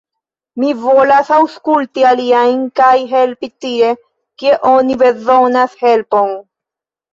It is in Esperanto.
Mi volas aŭskulti aliajn, kaj helpi tie, kie oni bezonas helpon.